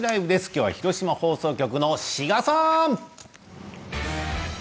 きょうは広島放送局の志賀さん。